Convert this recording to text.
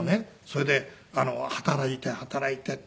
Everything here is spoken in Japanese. それで働いて働いて。